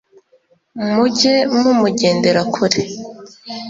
Mujye mumujyendera kure